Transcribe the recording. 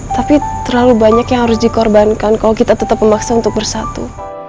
tapi terlalu banyak yang harus dikorbankan kalau kita tetap memaksa untuk bersatu